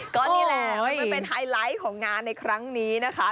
ก็นี่แหละมันเป็นไฮไลท์ของงานในครั้งนี้นะคะ